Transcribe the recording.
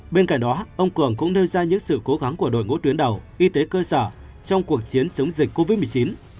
bên cạnh đó ông cường cũng nêu ra những sự cố gắng của đội ngũ tuyến đầu y tế cơ sở trong cuộc chiến chống dịch covid một mươi chín